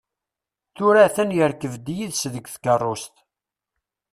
Tura a-t-an yerkeb d yid-s deg tkerrust.